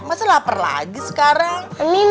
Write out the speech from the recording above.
masa lapar lagi sekarang